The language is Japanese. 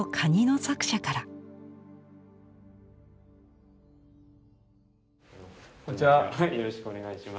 よろしくお願いします。